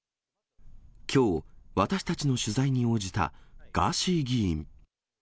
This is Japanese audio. きょう、私たちの取材に応じたガーシー議員。